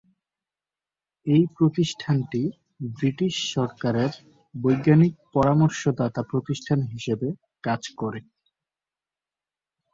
এই প্রতিষ্ঠানটি ব্রিটিশ সরকারের বৈজ্ঞানিক পরামর্শদাতা প্রতিষ্ঠান হিসেবে কাজ করে।